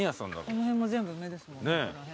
この辺も全部梅ですもん。